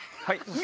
はい